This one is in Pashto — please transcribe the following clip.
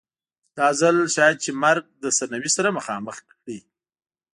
دا ځل شاید چې مرګ له سرنوشت سره مخامخ کړي.